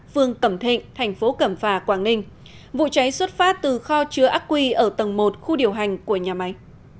phường cẩm thịnh thành phố cẩm phà quảng ninh vụ cháy xuất phát từ kho chứa ác quy ở tầng một khu điều hành của nhà máy